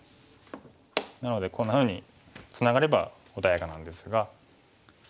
なのでこんなふうにツナがれば穏やかなんですが。